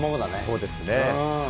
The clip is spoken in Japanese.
そうですね。